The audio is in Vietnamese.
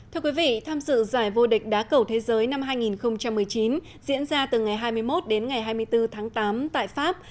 thưa quý vị tham dự giải vô địch đá cầu thế giới năm hai nghìn một mươi chín diễn ra từ ngày hai mươi một đến ngày hai mươi bốn tháng tám tại pháp